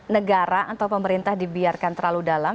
negara atau pemerintah dibiarkan terlalu dalam